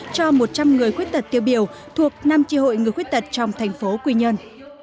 cho một trăm linh người khuyết tật tiêu biểu thuộc năm tri hội người khuyết tật trong thành phố quy nhơn